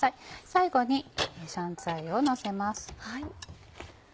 最後に香菜をのせます。